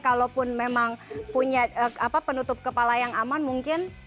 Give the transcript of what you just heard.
kalaupun memang punya penutup kepala yang aman mungkin